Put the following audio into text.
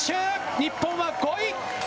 日本は５位。